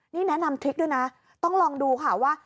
นี่แนะนำทริคด้วยนะต้องลองดูค่ะว่า